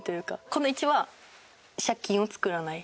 この１は「借金を作らない」。